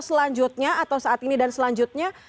selanjutnya atau saat ini dan selanjutnya